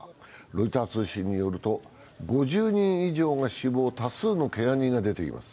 ロイター通信によると、５０人以上が死亡、多数のけが人が出ています。